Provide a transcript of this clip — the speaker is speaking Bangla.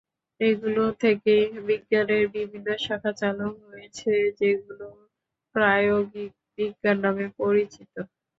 এগুলো থেকেই বিজ্ঞানের বিভিন্ন শাখা চালু হয়েছে, যেগুলো প্রায়োগিক বিজ্ঞান নামে পরিচিত।